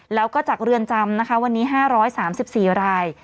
แล้วก็จากเรือนจำนะคะวันนี้๕๓๔ราย